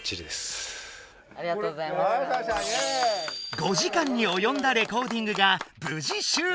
５時間におよんだレコーディングがぶじ終了。